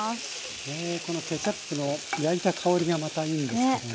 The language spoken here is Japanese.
ねえこのケチャップの焼いた香りがまたいいんですかね。